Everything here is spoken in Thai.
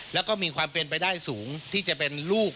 แล้วก็มีความเป็นไปได้สูงที่จะเป็นลูก